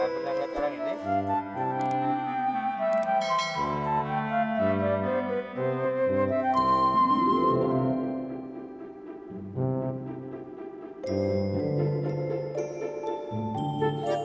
nah benang benang sekarang ini dek